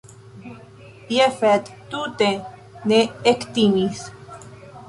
Jafet tute ne ektimis.